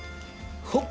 ほっ！